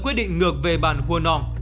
quyết định ngược về bàn hua nong